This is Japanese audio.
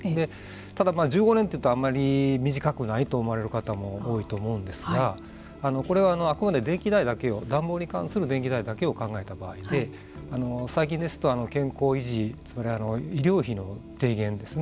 ただ、１５年というとあまり短くないと思われる方も多いと思うんですがこれはあくまで暖房に関する電気代だけを考えた場合で最近ですと、健康維持つまり医療費の軽減ですね。